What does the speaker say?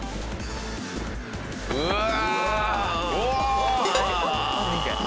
うわ。